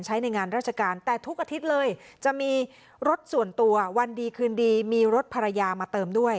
ใช้ในงานราชการแต่ทุกอาทิตย์เลยจะมีรถส่วนตัววันดีคืนดีมีรถภรรยามาเติมด้วย